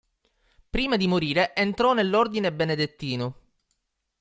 Prima di morire entrò nell'Ordine benedettino.